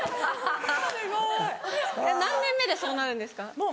・すごい・何年目でそうなるんですか？